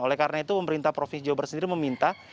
oleh karena itu pemerintah provinsi jawa barat sendiri meminta